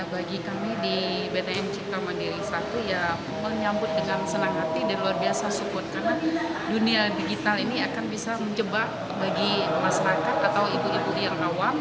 bagi kami di btm cipta mandiri satu ya menyambut dengan senang hati dan luar biasa support karena dunia digital ini akan bisa menjebak bagi masyarakat atau ibu ibu yang awam